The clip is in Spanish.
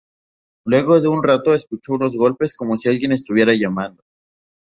Luego de un rato escuchó unos golpes como si alguien estuviera llamando.